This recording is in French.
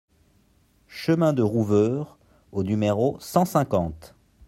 Chemin de Rouveure au numéro cent cinquante